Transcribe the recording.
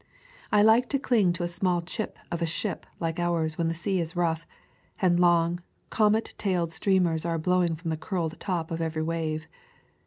I like to cling to a small chip of a ship like ours when the sea is rough, and long, comet tailed streamers are blowing from the curled top of every wave.